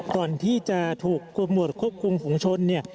ก่อนที่จะถูกกลุ่มบริษัทควบคุมของชน